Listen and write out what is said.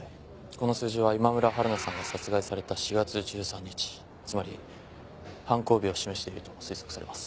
この数字は今村春菜さんが殺害された４月１３日つまり犯行日を示していると推測されます。